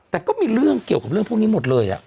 แต่ก็มีเรื่องเกี่ยวกับเรื่องพวกนี้หมดเลย